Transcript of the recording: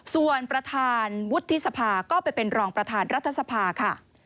ส่วนประธานวุฒิสภาก็ไปเป็นรองประธานรัฐสภาค่ะ